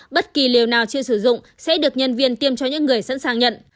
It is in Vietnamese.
bất kỳ liều nào chưa sử dụng sẽ được nhân viên tiêm cho những người sẵn sàng nhận